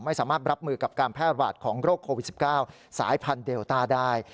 ไม่สามารถรับมือกับการแพร่ระบาดของโรคโควิด๑๙สายพันธุเดลต้าได้